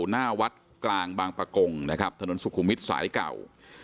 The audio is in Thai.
หน้าวัดกลางบางประกงนะครับถนนสุขุมวิทย์สายเก่า